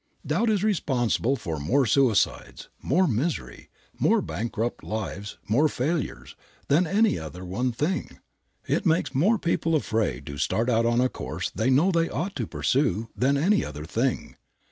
Doubt is responsible for more suicides, more misery, more bankrupt lives, more failures, than any other one thing. It makes more people afraid to start out on a course they know they ought to pursue than any other thing.